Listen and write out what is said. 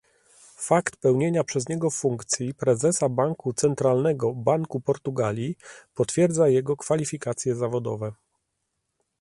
Fakt pełnienia przez niego funkcji prezesa Banku Centralnego Banku Portugalii potwierdza jego kwalifikacje zawodowe